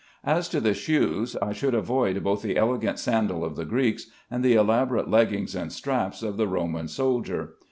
As to the shoes, I should avoid both the elegant sandal of the Greeks, and the elaborate leggings and straps of the Roman soldier.